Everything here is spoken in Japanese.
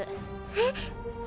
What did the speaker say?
えっ？